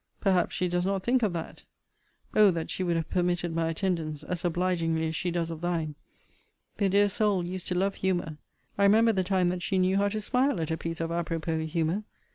Perhaps she does not think of that. Oh! that she would have permitted my attendance, as obligingly as she does of thine! The dear soul used to love humour. I remember the time that she knew how to smile at a piece of apropos humour.